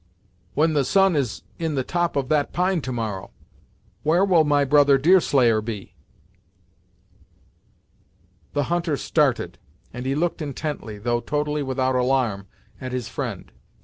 "When the sun is in the top of that pine to morrow, where will my brother Deerslayer be?" The hunter started, and he looked intently, though totally without alarm, at his friend.